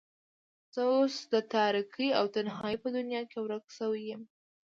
زه اوس د تاريکۍ او تنهايۍ په دنيا کې ورکه شوې يم.